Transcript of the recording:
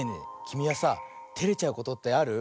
きみはさテレちゃうことってある？